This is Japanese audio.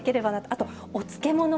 あとお漬物もね。